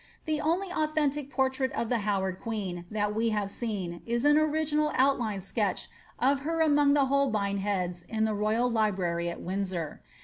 The only authentic portrait of the Howard queen, that we have seen, is an original outline ^tch of her among the Holbein heads in the royal library at Windsor.